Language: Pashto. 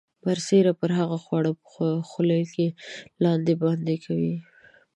برسیره پر هغه خواړه په خولې کې لاندې باندې کوي.